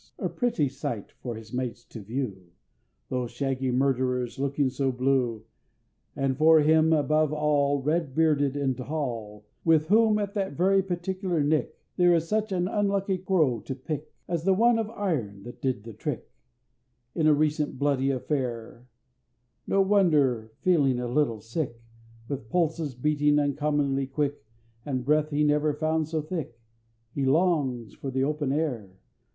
A pretty sight for his mates to view! Those shaggy murderers looking so blue, And for him above all, Red bearded and tall, With whom, at that very particular nick, There is such an unlucky crow to pick, As the one of iron that did the trick In a recent bloody affair No wonder feeling a little sick, With pulses beating uncommonly quick, And breath he never found so thick, He longs for the open air!